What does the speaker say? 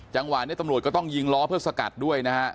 จังหวะนี้ตำรวจก็ต้องยิงล้อเพื่อสกัดด้วยนะฮะ